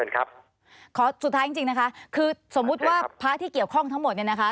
ขอสุดท้ายจริงนะคะคือสมมุติว่าพระที่เกี่ยวข้องทั้งหมดเนี่ยนะคะ